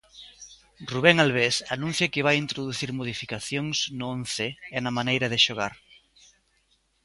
Rubén Albés anuncia que vai introducir modificacións no once e na maneira de xogar.